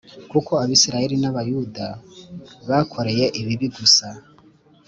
Kuko Abisirayeli n’Abayuda bakoreye ibibi gusa